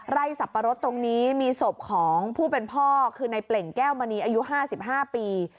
สับปะรดตรงนี้มีศพของผู้เป็นพ่อคือในเปล่งแก้วมณีอายุ๕๕ปี